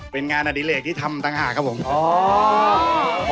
เป็นงานอดิเลกที่ทำตั้งหาของผม